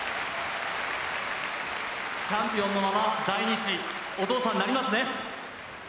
チャンピオンのまま、第２子、お父さんになりますね。